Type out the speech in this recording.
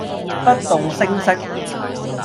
不動聲色